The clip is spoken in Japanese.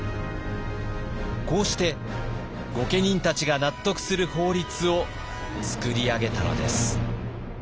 こうして御家人たちが納得する法律を作り上げたのです。